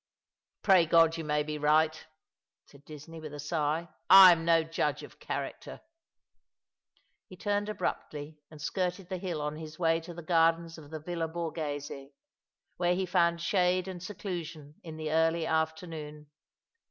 " Pray God you may be right," said Disney, with a sigh. " I am no judge of character." He turned abruptly, and skirted the hill on his way to the gardens of the Villa Borgbese, where he found shade and seclusion in the early afternoon.